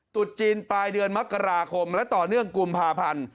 ตุดจีนปลายเดือนมกราคมและต่อเนื่องกุมภาพันธ์